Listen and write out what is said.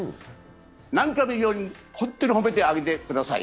何回も言うように、本当に褒めてあげてください。